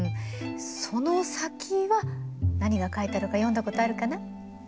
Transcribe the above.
その先は何が書いてあるか読んだことあるかな？